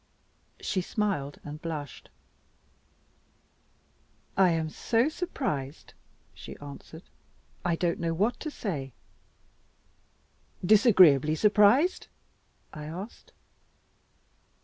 She smiled and blushed. "I am so surprised," she answered, "I don't know what to say." "Disagreeably surprised?" I asked.